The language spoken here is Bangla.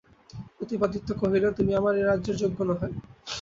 প্রতাপাদিত্য কহিলেন, তুমি আমার এ রাজ্যের যোগ্য নহ।